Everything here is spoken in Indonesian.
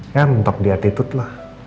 ya mentok di attitude lah